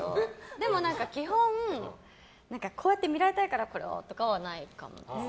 でも基本こうやって見られたいからこれをとかはないかもです。